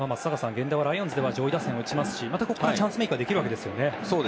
源田はライオンズでは中軸を打ちますしここからチャンスメイクができるわけですよね。